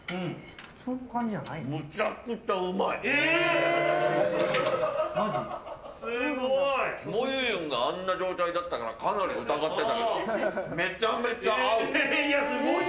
むちゃくちゃうまい！もゆゆんがあんな状態だったからかなり疑ってたけどめちゃめちゃ合う！